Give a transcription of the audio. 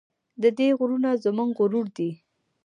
د دې غرونه زموږ غرور دی